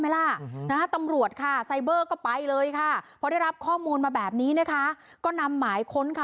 แล้วนี้คุณผู้ชมค่ะกลายเป็นว่า